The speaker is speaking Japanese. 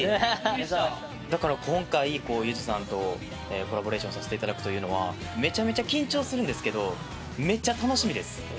だから今回ゆずさんとコラボレーションさせていただくというのはめちゃめちゃ緊張するんですけどめちゃ楽しみです。